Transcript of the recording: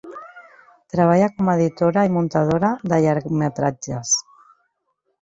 Treballa com a editora i muntadora de llargmetratges.